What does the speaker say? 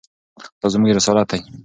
دا زموږ رسالت دی.